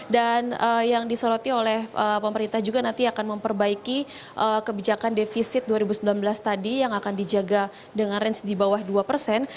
dan yang disoroti oleh pemerintah juga nanti akan memperbaiki kebijakan defisit dua ribu sembilan belas tadi yang akan dijaga dengan range di bawah dua persen